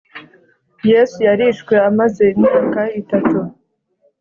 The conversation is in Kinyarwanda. Yesu yarishwe amaze imyaka itatu